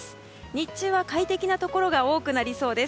日中は快適なところが多くなりそうです。